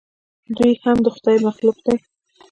دوى هم د خداى مخلوق دي.